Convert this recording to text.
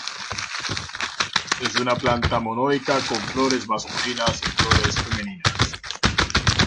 Es una planta monoica con flores masculinas y flores femeninas.